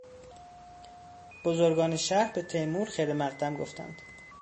بزرگان شهر به تیمور خیرمقدم گفتند.